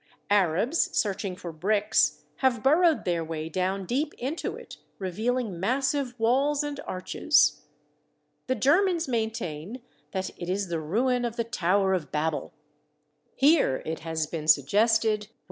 Arabs, searching for bricks, have burrowed their way down deep into it, revealing massive walls and arches. The Germans maintain that it is the ruin of the Tower of Babel. Here, it has been suggested, were the x' " ,>i s fK